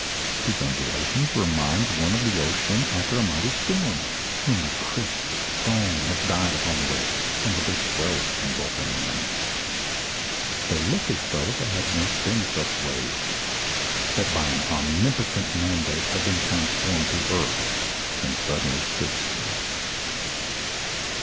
These undulations remind one of the ocean after a mighty storm, when the crisped foam has died upon the waves, and the big swell comes bowling in. They look as though they had once been such waves, that by an omnipotent mandate had been transformed to earth and suddenly stood still.